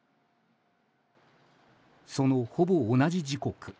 そのほぼ同じ時刻。